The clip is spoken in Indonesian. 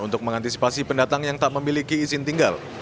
untuk mengantisipasi pendatang yang tak memiliki izin tinggal